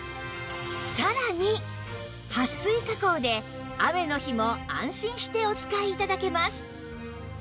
さらにはっ水加工で雨の日も安心してお使い頂けます